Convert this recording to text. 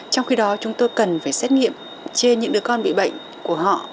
trong khi đó chúng tôi cần phải xét nghiệm trên những đứa con bị bệnh của họ